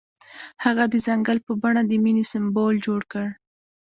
هغه د ځنګل په بڼه د مینې سمبول جوړ کړ.